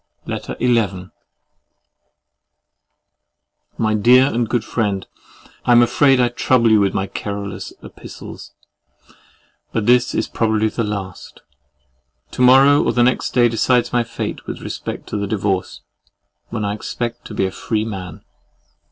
LETTER XI My dear and good Friend, I am afraid I trouble you with my querulous epistles, but this is probably the last. To morrow or the next day decides my fate with respect to the divorce, when I expect to be a free man.